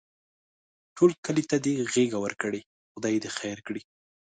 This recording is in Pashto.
ټول کلي ته یې غېږه ورکړې؛ خدای خیر کړي.